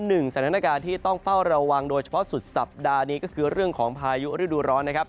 หนึ่งสถานการณ์ที่ต้องเฝ้าระวังโดยเฉพาะสุดสัปดาห์นี้ก็คือเรื่องของพายุฤดูร้อนนะครับ